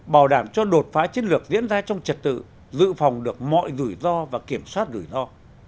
bảo đảm cho đột phá chiến lược diễn ra trong trật tự giữ phòng được mọi rủi ro và kiểm soát rủi ro